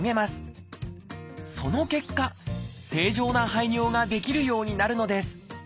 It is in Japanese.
その結果正常な排尿ができるようになるのです。